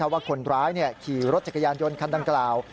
ว่าคนร้ายขี่รถจักรยานยนต์คันดังกล่าว